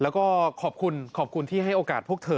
แล้วก็ขอบคุณขอบคุณที่ให้โอกาสพวกเธอ